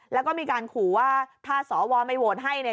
แล้วก็มีการขู่ว่าถ้าสวไม่โหวตให้เนี่ย